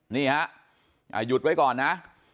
นี่ฮะหยุดไว้ก่อนนะ